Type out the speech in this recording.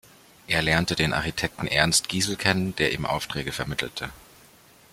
Er lernte den Architekten Ernst Gisel kennen, der ihm Aufträge vermittelte.